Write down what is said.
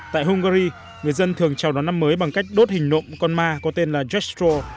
tại hungary người dân thường chào đón năm mới bằng cách đốt hình nộm con ma có tên là zestro